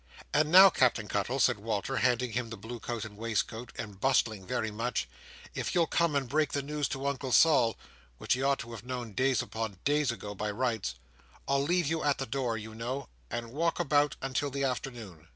"And now, Captain Cuttle," said Walter, handing him the blue coat and waistcoat, and bustling very much, "if you'll come and break the news to Uncle Sol (which he ought to have known, days upon days ago, by rights), I'll leave you at the door, you know, and walk about until the afternoon."